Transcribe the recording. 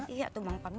iya tuh bang parmin